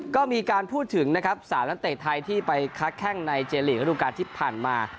ก็มีการพูดถึงนะครับ๓นักเตะไทยที่ไปค้าแข้งในเจลีกระดูกาลที่ผ่านมา